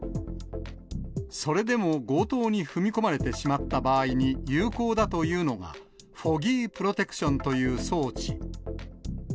それでも強盗に踏み込まれてしまった場合に有効だというのが、フォギープロテクションという装置。